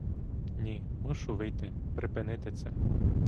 Ні, мушу вийти припинити це.